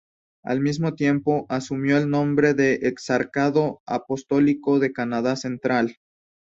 Al mismo tiempo, asumió el nombre de exarcado apostólico de Canadá Central.